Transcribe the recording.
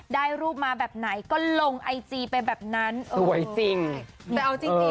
ได้รูปมาแบบไหนก็ลงไอจีไปแบบนั้นเออสวยจริงแต่เอาจริงจริง